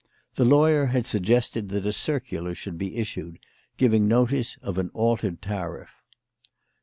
The lawyer had suggested that a circular should be issued, giving notice of an altered tariff.